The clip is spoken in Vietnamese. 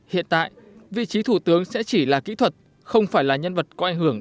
hiện tại vị trí thủ tướng sẽ chỉ là kỹ thuật không phải là nhân vật có ảnh hưởng